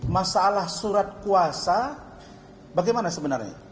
masalah surat kuasa bagaimana sebenarnya